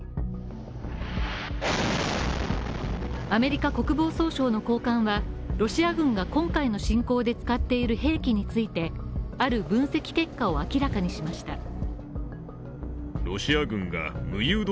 アメリカ国防総省の高官はロシア軍が今回の戦争で使っている兵器について、ある分析結果を明らかにしました。